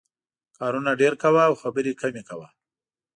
کارونه ډېر کوه او خبرې کمې کوه.